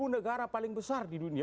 dua puluh negara paling besar di dunia